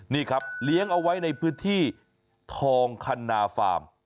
นี่ครับเลี้ยงเอาไว้ในพื้นที่ทองคันนาฟาร์ม